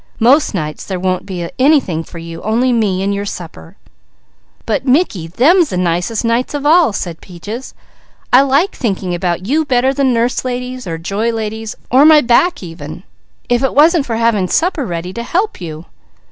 Most nights there won't be anything for you only me, and your supper." "But Mickey, them's the nicest nights of all!" said Peaches. "I like thinking about you better than nurse ladies, or joy ladies, or my back, even; if it wasn't for having supper ready to help you."